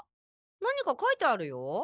何か書いてあるよ。